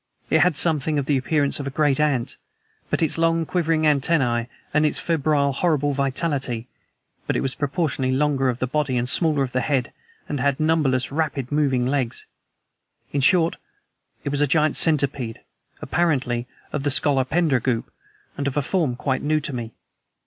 It had something of the appearance of a great ant, with its long, quivering antennae and its febrile, horrible vitality; but it was proportionately longer of body and smaller of head, and had numberless rapidly moving legs. In short, it was a giant centipede, apparently of the scolopendra group, but of a form quite new to me.